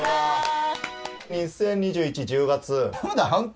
２０２１１０月。